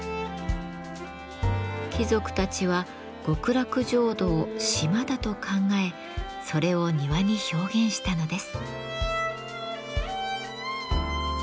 貴族たちは極楽浄土を島だと考えそれを庭に表現したのです。